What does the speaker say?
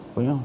có nghĩa là